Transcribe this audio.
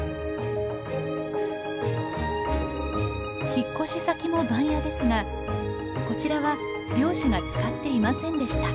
引っ越し先も番屋ですがこちらは漁師が使っていませんでした。